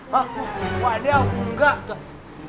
hah waduh enggak